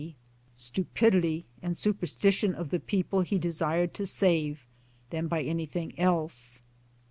6 MY DAYS AND DREAMS stupidity and superstition of the people he desire to save than by anything else.